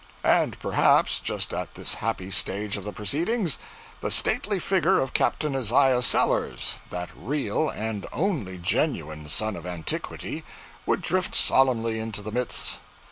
And perhaps just at this happy stage of the proceedings, the stately figure of Captain Isaiah Sellers, that real and only genuine Son of Antiquity, would drift solemnly into the midst.